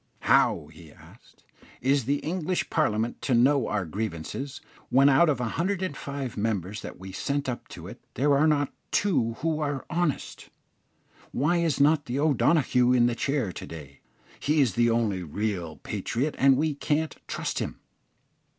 "How," he asked, "is the English Parliament to know our grievances, when out of 105 members that we send up to it, there are not two who are honest? Why is not the O'Donoghue in the chair to day? he is the only real patriot, and we can't trust him.